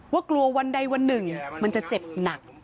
กลัววันใดวันหนึ่งมันจะเจ็บหนัก